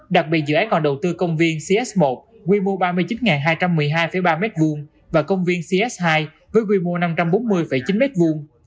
đặc biệt dự án còn đầu tư công viên cs một quy mô ba mươi chín hai trăm một mươi hai ba m hai và công viên cs hai với quy mô năm trăm bốn mươi chín m hai